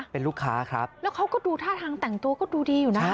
เป็นลูกค้าครับแล้วเขาก็ดูท่าทางแต่งตัวก็ดูดีอยู่นะ